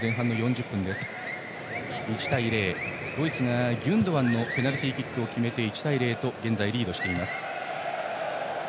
１対０、ドイツのギュンドアンがペナルティーキックを決めて現在リードしています。